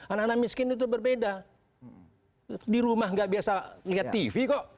anak anak miskin itu berbeda di rumah nggak biasa lihat tv kok